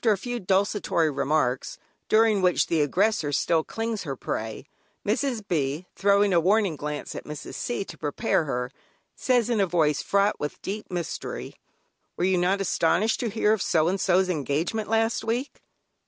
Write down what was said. After a few desultory remarks, during which the aggressor still clings to her prey, Mrs. B., throwing a warning glance at Mrs. C. to prepare her, says in a voice fraught with deep mystery: "Were you not astonished to hear of so and so's engagement last week?"